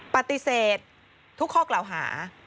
ปฏิเสธทุกข้อกล่าวหา